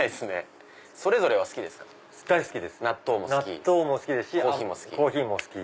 納豆も好きコーヒーも好き。